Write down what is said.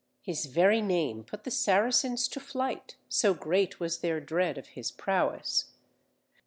His very name put the Saracens to flight, so great was their dread of his prowess.